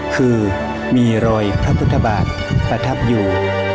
คือมีรอยพระพุทธบาทประทับอยู่